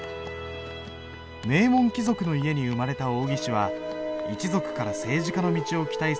名門貴族の家に生まれた王羲之は一族から政治家の道を期待される。